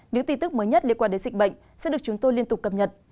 những tin tức mới nhất liên quan đến dịch bệnh sẽ được chúng tôi liên tục cập nhật